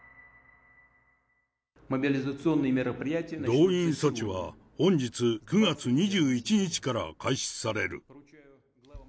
動員措置は本日９月２１日から開始される。